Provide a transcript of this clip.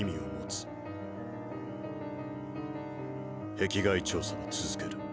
壁外調査を続ける。